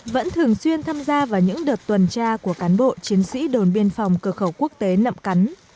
vẫn thường xuyên tham gia vào những đợt tuần tra của cán bộ chiến sĩ đồn biên phòng cửa khẩu quốc tế nậm cắn